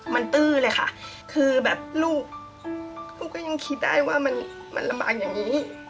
มันตื้อเลยค่ะคือแบบลูกลูกก็ยังคิดได้ว่ามันลำบากอย่างนี้